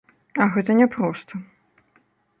А гэта не проста.